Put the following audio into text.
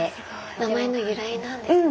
名前の由来なんですね。